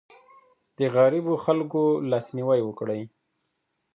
د غريبو خلګو لاسنيوی وکړئ.